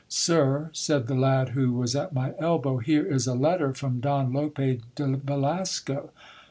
Sir, said the lad who was at my elbow, here is a letter from Don Lope de Velasco.